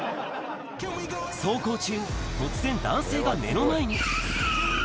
走行中、突然男性が目の前に。